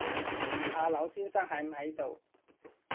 阿劉先生喺唔喺度